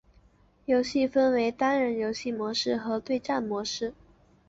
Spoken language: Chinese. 游戏分为单人游戏模式和对战模式。